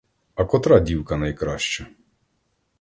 А котра дівка найкраща?